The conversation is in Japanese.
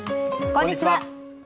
こんにちは。